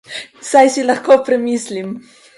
Saj si lahko premislim!